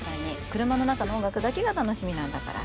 車の中の音楽だけが楽しみなんだから。